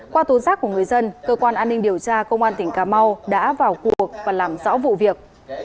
qua tố giác của người dân cơ quan an ninh điều tra công an tp đồng hới đã vào cuộc và làm rõ vụ việc